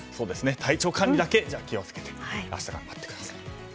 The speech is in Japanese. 体調管理だけ気を付けて明日、頑張ってください。